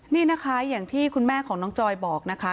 นี่นะคะอย่างที่คุณแม่ของน้องจอยบอกนะคะ